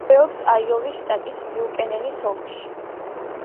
მდებარეობს აიოვის შტატის ბიუკენენის ოლქში.